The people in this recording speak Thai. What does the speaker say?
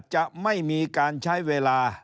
จะไม่มีการใช้เวลา